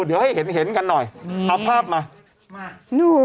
เดี๋ยวให้เห็นเห็นกันหน่อยเอาภาพมามา